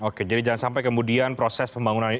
oke jadi jangan sampai kemudian proses pembangunan ini